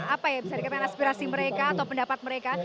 apa ya bisa dikatakan aspirasi mereka atau pendapat mereka